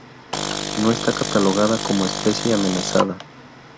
No está catalogada como especie amenazada.